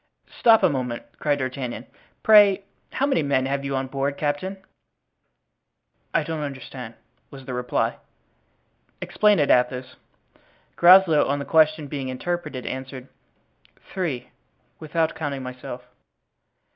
"Stop a moment," cried D'Artagnan; "pray how many men have you on board, captain?" "I don't understand," was the reply. "Explain it, Athos." Groslow, on the question being interpreted, answered, "Three, without counting myself."